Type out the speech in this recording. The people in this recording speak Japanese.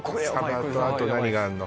鯖とあと何があるの？